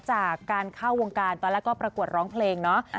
จากการเข้าวงการตอนแรกก็ประกวดร้องเพลงเนาะ